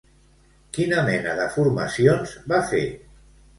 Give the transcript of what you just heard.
Quina mena de formacions va fer?